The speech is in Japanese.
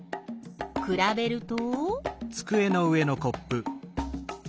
くらべると？